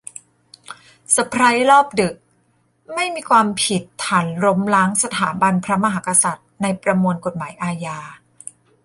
เซอร์ไพรส์รอบดึก ! ไม่มีความผิดฐานล้มล้างสถาบันพระมหากษัตริย์ในประมวลกฎหมายอาญา